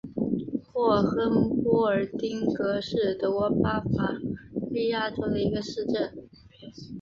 霍亨波尔丁格是德国巴伐利亚州的一个市镇。